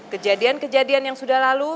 kejadian kejadian yang sudah lalu